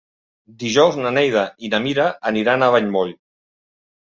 Dijous na Neida i na Mira aniran a Vallmoll.